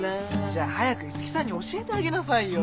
じゃあ早くいつきさんに教えてあげなさいよ！